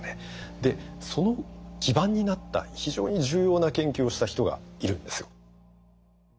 でその基盤になった非常に重要な研究をした人がいるんですよ。